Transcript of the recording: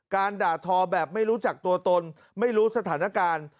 ด่าทอแบบไม่รู้จักตัวตนไม่รู้สถานการณ์